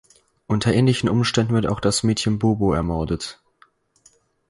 Unter ähnlichen Umständen wird auch das Mädchen Bobo ermordet.